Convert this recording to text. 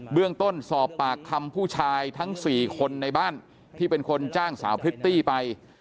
เรื่องต้นสอบปากคำผู้ชายทั้ง๔คนในบ้านที่เป็นคนจ้างสาวพริตตี้ไป